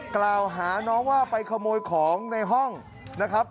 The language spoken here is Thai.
กล่าวหาน้องว่าไปขโมยของในห้องนะครับ